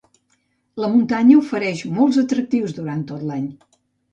La muntanya ofereix molts atractius durant tot l'any.